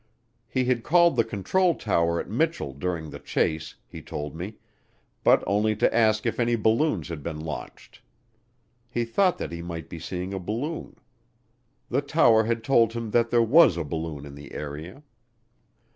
He had called the control tower at Mitchel during the chase, he told me, but only to ask if any balloons had been launched. He thought that he might be seeing a balloon. The tower had told him that there was a balloon in the area.